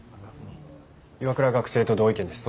岩倉学生と同意見です。